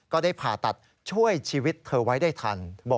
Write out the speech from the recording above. ก็ได้ผ่าตัดช่วยชีวิตเธอไว้ได้ทัน